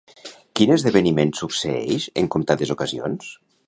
Quin esdeveniment succeeix en comptades ocasions?